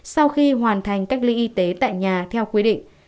sau khi hoàn thành cách ly y tế tại nhà theo quy định